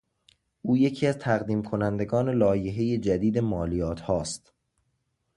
او یکی از تقدیم کنندگان لایحهی جدید مالیاتها است.